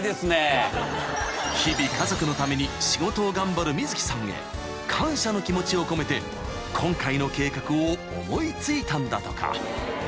［日々家族のために仕事を頑張る泉貴さんへ感謝の気持ちを込めて今回の計画を思い付いたんだとか］